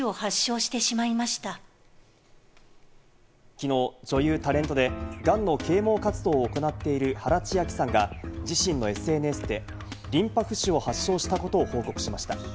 きのう女優・タレントで、がんの啓蒙活動を行っている原千晶さんが自身のＳＮＳでリンパ浮腫を発症したことを報告しました。